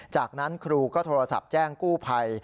จากนั้นครูก็โทรศัพท์แจ้งกู้ภัย